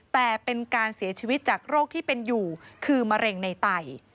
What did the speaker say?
แต่เป็นการเสียชีวิตจากโรคที่เป็นอยู่คือมะเร็งในไต